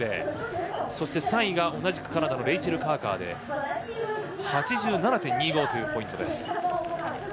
そして３位が同じくカナダのレイチェル・カーカーで８７．２５というポイント。